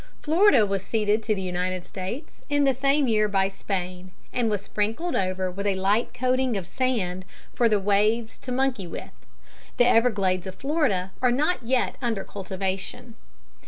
Florida was ceded to the United States in the same year by Spain, and was sprinkled over with a light coating of sand for the waves to monkey with. The Everglades of Florida are not yet under cultivation.